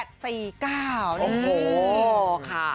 โอ้โหค่ะ